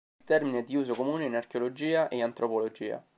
Il termine è di uso comune in archeologia e antropologia.